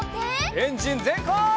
エンジンぜんかい！